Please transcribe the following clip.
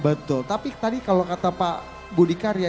betul tapi tadi kalau kata pak budi karya